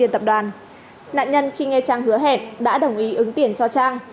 nạn nhân khi nghe trang hứa hẹn đã đồng ý ứng tiền cho trang